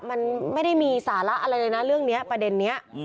มันไม่ได้มีสาระอะไรเลยนะเรื่องนี้ประเด็นนี้